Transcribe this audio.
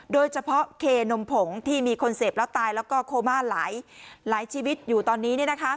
โดยเฉพาะเคนมผงที่มีคนเสพแล้วตายแล้วก็โคม่าหลายชีวิตอยู่ตอนนี้